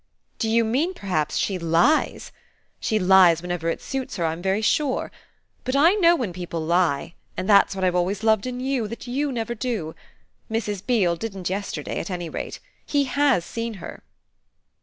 "Do you mean perhaps she lies? She lies whenever it suits her, I'm very sure. But I know when people lie and that's what I've loved in you, that YOU never do. Mrs. Beale didn't yesterday at any rate. He HAS seen her."